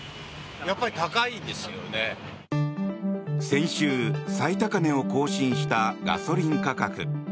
先週、最高値を更新したガソリン価格。